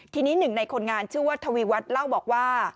ทีนี้หนึ่งในคนงานชื่อว่าทวีวัฒน์เล่าบอกว่า